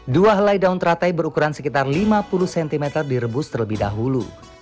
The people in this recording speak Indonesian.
dua helai daun teratai berukuran sekitar lima puluh cm direbus terlebih dahulu